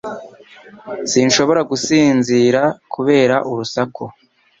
Sinshobora gusinzira kubera urusaku